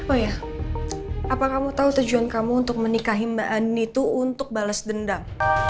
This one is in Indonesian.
oh iya apa kamu tau tujuan kamu untuk menikahi mbak ani tuh untuk balas dendam